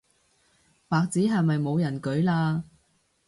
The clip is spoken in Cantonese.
白紙係咪冇人舉嘞